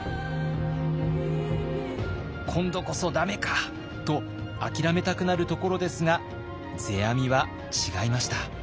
今度こそ駄目かと諦めたくなるところですが世阿弥は違いました。